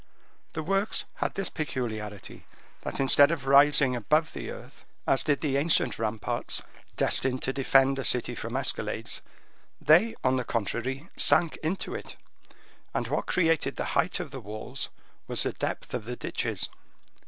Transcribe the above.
The works had this peculiarity, that instead of rising above the earth, as did the ancient ramparts destined to defend a city from escalades, they, on the contrary, sank into it; and what created the height of the walls was the depth of the ditches.